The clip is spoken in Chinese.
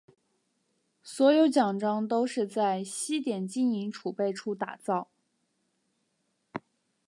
所有奖章都是在西点金银储备处打造。